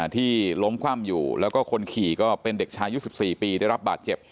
ที่ล้มคว่ำอยู่แล้วก็คนขี่ก็เป็นเด็กชายุด๑๔ปีได้รับบาดเจ็บ